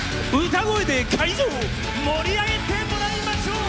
歌声で会場を盛り上げてもらいましょう！